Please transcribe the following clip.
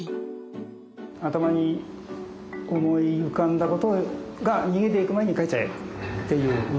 頭に思い浮かんだことが逃げていく前に書いちゃえっていう。